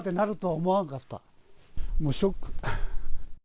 もうショック。